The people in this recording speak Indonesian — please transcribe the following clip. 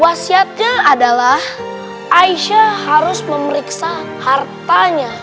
wasiatnya adalah aisyah harus memeriksa hartanya